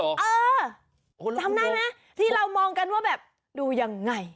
จำได้ไหมที่เรามองกันว่าแบบดูยังไง